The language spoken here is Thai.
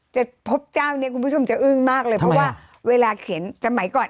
จะพบเจ้าเนี่ยคุณผู้ชมจะอึ้งมากเลยเพราะว่าเวลาเขียนสมัยก่อน